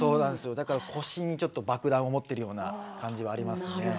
だから、腰に爆弾を持っているような感じはあります。